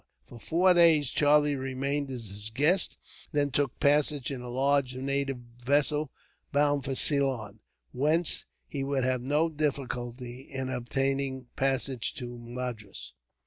For four days Charlie remained as his guest, and then took a passage in a large native vessel, bound for Ceylon, whence he would have no difficulty in obtaining passage to Madras.